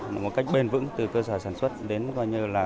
một cách bền vững từ cơ sở sản xuất đến coi như là